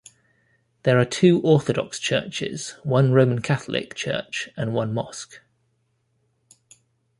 There are two Orthodox churches, one Roman Catholic church and one mosque.